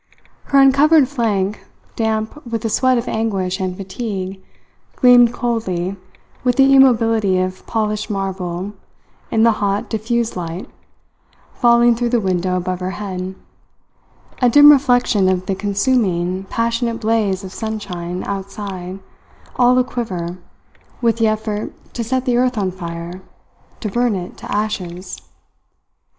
Her uncovered flank, damp with the sweat of anguish and fatigue, gleamed coldly with the immobility of polished marble in the hot, diffused light falling through the window above her head a dim reflection of the consuming, passionate blaze of sunshine outside, all aquiver with the effort to set the earth on fire, to burn it to ashes.